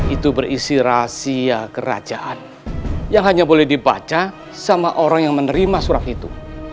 itu berisi rahasia kerajaan yang hanya boleh dibaca sama orang yang menerima surat itu